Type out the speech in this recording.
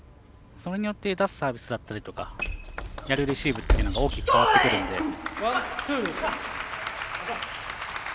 それによって出すサービスだったりとかやるレシーブというのが大きく変わってくるので。